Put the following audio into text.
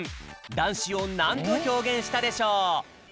だんしをなんとひょうげんしたでしょう？